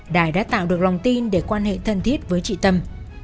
đài đã tạo được lòng tin để quan hệ thân thiết với chị tâm